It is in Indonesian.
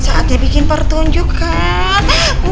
hahaha saatnya bikin pertunjukan